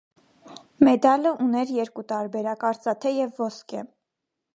Մեդալը ուներ երկու տարբերակ. արծաթե և ոսկե։